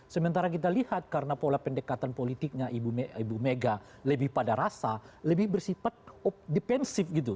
sementara kita lihat karena pola pendekatan politiknya ibu mega lebih pada rasa lebih bersifat defensif gitu